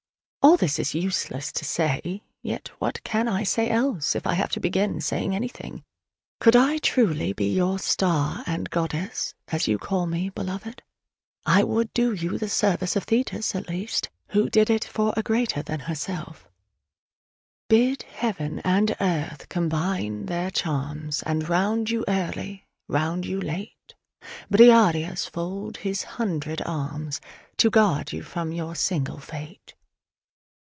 All this is useless to say, yet what can I say else, if I have to begin saying anything? Could I truly be your "star and goddess," as you call me, Beloved, I would do you the service of Thetis at least (who did it for a greater than herself) "Bid Heaven and Earth combine their charms, And round you early, round you late, Briareus fold his hundred arms To guard you from your single fate."